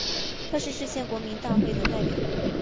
他是制宪国民大会代表。